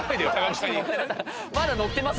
まだ乗ってます